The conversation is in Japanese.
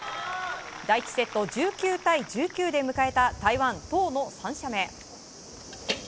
第１セット１９対１９で迎えた台湾、トウの３射目。